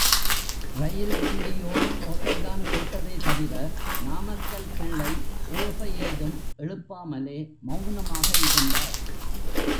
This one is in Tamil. ரயில் வண்டி ஓடும் ஓசைதான் கேட்டதே தவிர, நாமக்கல் பிள்ளை ஓசை ஏதும் எழுப்பாமலே மெளனமாக இருந்தார்.